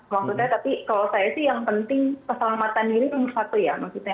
maksudnya tapi kalau saya sih yang penting keselamatan diri nomor satu ya maksudnya